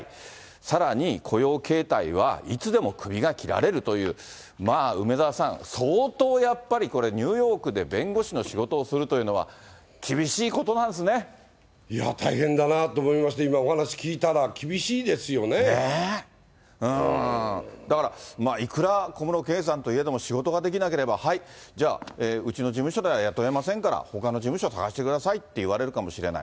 さらに雇用形態はいつでも首が切られるという、まあ、梅沢さん、相当やっぱり、これ、ニューヨークで弁護士の仕事をするというのは厳しいことなんですいや、大変だなと思いまして、だから、いくら小室圭さんといえども、仕事ができなければ、はい、じゃあ、うちの事務所では雇えませんから、ほかの事務所探してくださいって言われるかもしれない。